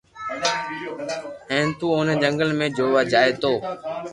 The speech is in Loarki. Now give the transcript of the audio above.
ھين تو اوني جنگل ۾ جووا جائي تو